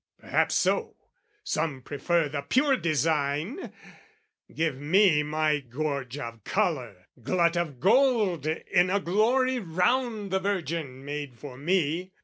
Perhaps so: some prefer the pure design: Give me my gorge of colour, glut of gold In a glory round the Virgin made for me!